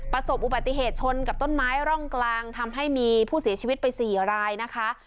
ประสบอุบัติเหตุชนกับต้นไม้ร่องกลางทำให้มีผู้เสียชีวิตไป๔รายนะคะ